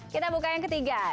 kita buka yang ketiga